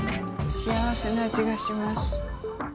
幸せなあじがします。